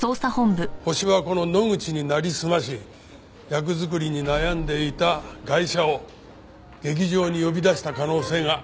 ホシはこの野口になりすまし役作りに悩んでいたガイシャを劇場に呼び出した可能性があります！